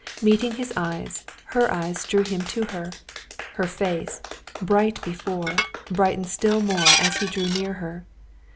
Meeting his eyes, her eyes drew him to her. Her face, bright before, brightened still more as he drew near her.